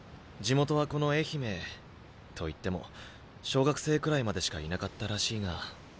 地元はこの愛媛と言っても小学生くらいまでしかいなかったらしいが。